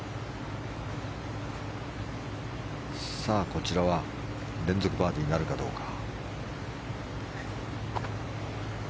こちらは連続バーディーなるかどうか。